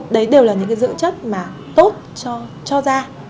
đấy đều là những cái dưỡng chất mà tốt cho ra